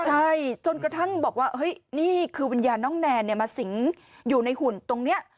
ใช่จนกระทั่งบอกว่านี่คือวิญญาณน้องแนนมาสิงอยู่ในหุ่นตรงนี้